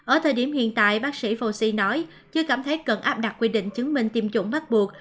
ở thời điểm hiện tại bác sĩ vô sinh nói chưa cảm thấy cần áp đặt quy định chứng minh tiêm chủng bắt buộc